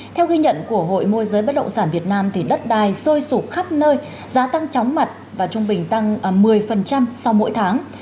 theo ghi nhận của hội môi giới bất động sản việt nam đất đai sôi sụp khắp nơi giá tăng chóng mặt và trung bình tăng một mươi sau mỗi tháng